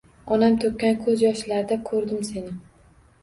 Onam to’kkan ko’z yoshlarda ko’rdim seni